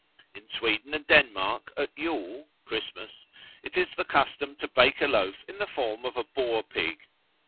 In Sweden and Denmark at Yule (Christmas) it is the custom to bake a loaf in the form of a boar pig.